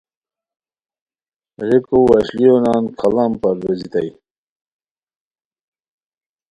ریکو وشلیو نان کھاڑان پرویزیتائے